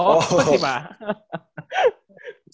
oh apa sih pak